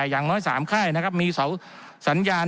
เป็น๓ค่ายนะครับมีเสาสัญญาณ